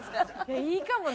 いいかもね！